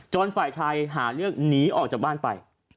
ฝ่ายชายหาเรื่องหนีออกจากบ้านไป